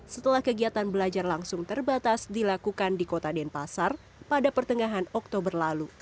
setelah kegiatan belajar langsung terbatas dilakukan di kota denpasar pada pertengahan oktober lalu